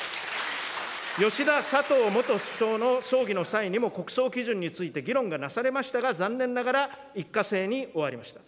吉田、佐藤元首相の葬儀の際にも国葬基準について議論がなされましたが、残念ながら、一過性に終わりました。